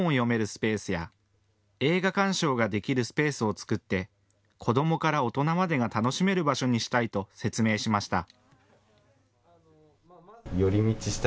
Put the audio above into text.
スペースや映画鑑賞ができるスペースを作って子どもから大人までが楽しめる場所にしたいと説明しました。